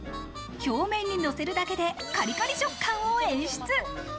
表面にのせるだけでカリカリ食感を演出。